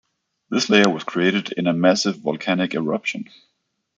This layer was created in a massive volcanic eruption.